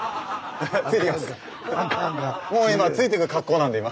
もう今ついて行く格好なんで今。